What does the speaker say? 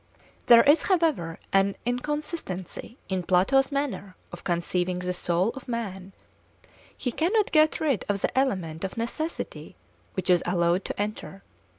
There is, however, an inconsistency in Plato's manner of conceiving the soul of man; he cannot get rid of the element of necessity which is allowed to enter.